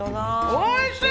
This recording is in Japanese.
おいしい！